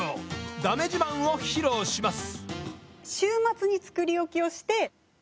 だめ自慢を披露します。